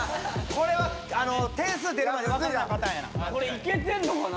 これは点数出るまで分かんないパターンやな